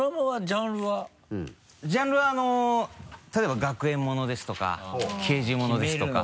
ジャンルは例えば学園ものですとか刑事ものですとか。